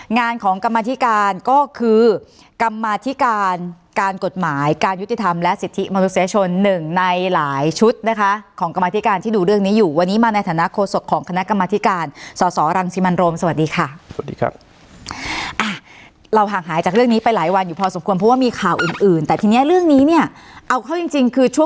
งานของกรรมธิการก็คือกรรมาธิการการกฎหมายการยุติธรรมและสิทธิมนุษยชนหนึ่งในหลายชุดนะคะของกรรมธิการที่ดูเรื่องนี้อยู่วันนี้มาในฐานะโฆษกของคณะกรรมธิการสอสอรังสิมันโรมสวัสดีค่ะสวัสดีครับอ่ะเราห่างหายจากเรื่องนี้ไปหลายวันอยู่พอสมควรเพราะว่ามีข่าวอื่นอื่นแต่ทีนี้เรื่องนี้เนี่ยเอาเข้าจริงจริงคือชั